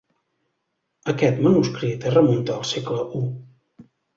Aquest manuscrit es remunta al segle u.